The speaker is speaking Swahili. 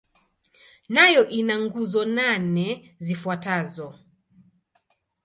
Nayo ina nguzo nane zifuatazo.